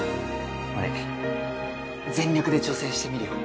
俺全力で挑戦してみるよ。